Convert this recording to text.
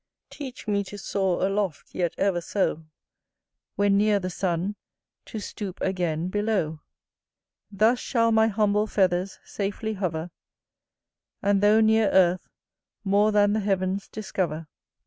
Teach me to soar aloft, yet ever so, When near the sun, to stoop again below. Thus shall my humble feathers safely hover, And, though near earth, more than the heavens discover.